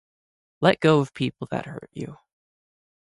Let go of people that hurt you